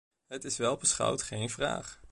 Het is welbeschouwd geen vraag.